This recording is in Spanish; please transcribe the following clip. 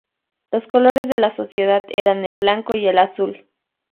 Los colores de la sociedad eran el blanco y el azul.